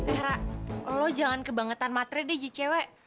eh ra lo jangan kebangetan matre deh jiwa cewek